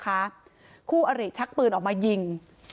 คู่อริขี่รถจักรยานชักปืนออกมายิง